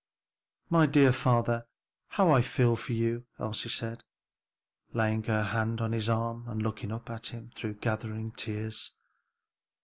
"My dear father, how I feel for you!" Elsie said, laying her hand on his arm and looking up at him through gathering tears.